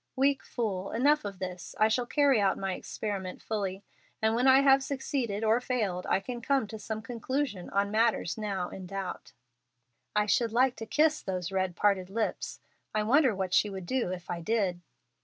"Weak fool! Enough of this. I shall carry out my experiment fully, and when I have succeeded or failed, I can come to some conclusion on matters now in doubt. "I should like to kiss those red parted lips. I wonder what she would do if I did?"